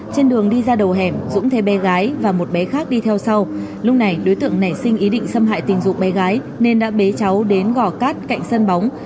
trên đường đi ra đầu hẻm dũng thấy bé gái và một bé khác đi theo sau lúc này đối tượng nảy sinh ý định xâm hại tình dục bé gái nên đã bế cháu đến gò cát cạnh sân bóng